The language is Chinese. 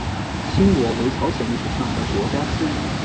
新罗为朝鲜历史上的国家之一。